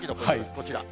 こちら。